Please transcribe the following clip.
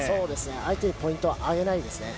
相手にポイントを与えないですね。